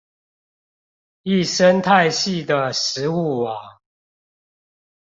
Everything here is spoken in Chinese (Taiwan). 一生態系的食物網